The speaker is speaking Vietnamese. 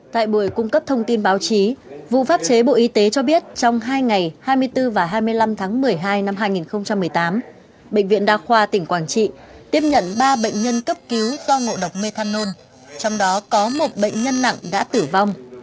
tại buổi cung cấp thông tin báo chí vụ pháp chế bộ y tế cho biết trong hai ngày hai mươi bốn và hai mươi năm tháng một mươi hai năm hai nghìn một mươi tám bệnh viện đa khoa tỉnh quảng trị tiếp nhận ba bệnh nhân cấp cứu do ngộ độc methanol trong đó có một bệnh nhân nặng đã tử vong